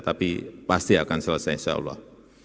tapi pasti akan selesai insyaallah